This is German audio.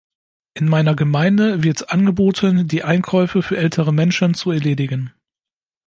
In meiner Gemeinde wird angeboten die Einkäufe für ältere Menschen zu erledigen.